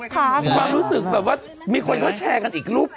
ความรู้สึกแบบว่ามีคนเขาแชร์กันอีกรูป